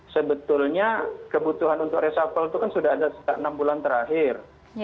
sebetulnya kebutuhan untuk resapel itu kan sudah ada sejak enam bulan terakhir